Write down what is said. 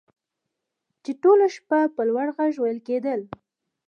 چې ټوله شپه په لوړ غږ ویل کیدل